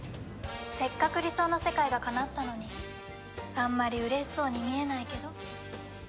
せっかく理想の世界がかなったのにあんまり嬉しそうに見えないけど？